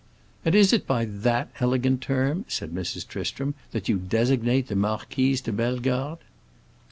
"And is it by that elegant term," said Mrs. Tristram, "that you designate the Marquise de Bellegarde?"